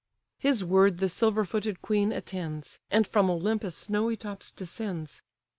His word the silver footed queen attends, And from Olympus' snowy tops descends.